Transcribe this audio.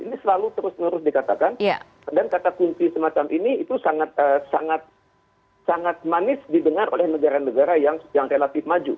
ini selalu terus menerus dikatakan dan kata kunci semacam ini itu sangat manis didengar oleh negara negara yang relatif maju